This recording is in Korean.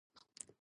뿐이 아니다.